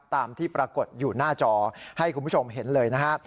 ตามที่ปรากฏอยู่หน้าจอให้คุณผู้ชมเห็นเลยนะฮะ